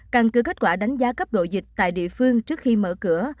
căn cứ kết quả đánh giá cấp độ dịch tại địa phương trước khi mở cửa